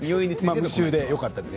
無臭でよかったです。